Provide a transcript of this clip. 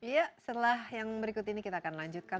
ya setelah yang berikut ini kita akan lanjutkan